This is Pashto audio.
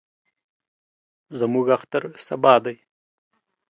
زموږ اختر سبا دئ.